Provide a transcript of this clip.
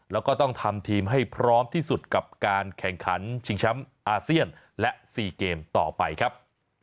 แล้วก็ต้องทำทีมให้พร้อมที่สุดกับการแข่งขันชิงแชมป์อาเซียนและ๔เกมต่อไปครับ